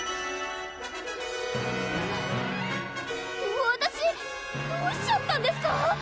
わたしどうしちゃったんですか